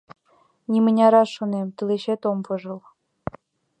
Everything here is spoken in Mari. Нимынярат, шонем, тылечет ом вожыл.